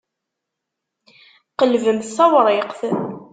Qelbemt tawṛiqt.